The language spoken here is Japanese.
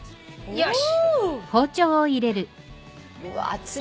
よし。